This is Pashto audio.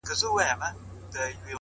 مثبت چلند ستونزې سپکوي,